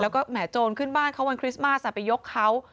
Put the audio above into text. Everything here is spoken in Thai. แล้วก็แหมโจรขึ้นบ้านเขาวันคริสต์มาสไปยกเขา